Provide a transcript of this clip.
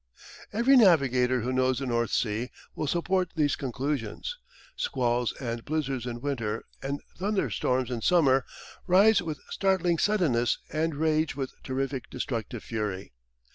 Every navigator who knows the North Sea will support these conclusions. Squalls and blizzards in winter, and thunderstorms in summer, rise with startling suddenness and rage with terrific destructive fury.